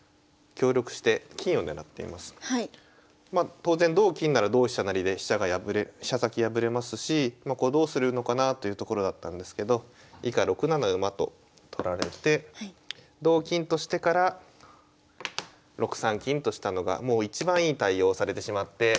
当然同金なら同飛車成で飛車先破れますしどうするのかなというところだったんですけど以下６七馬と取られて同金としてから６三金としたのがもういちばんいい対応をされてしまって。